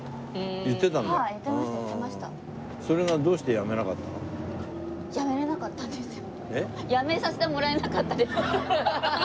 やめさせてもらえなかったです。